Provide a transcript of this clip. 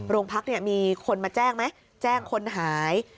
โรงพักมีคนมาแจ้งไหมแจ้งคนหาย